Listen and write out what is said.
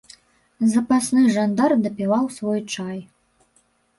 Запасны жандар дапіваў свой чай.